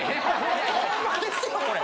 ホンマですよこれ。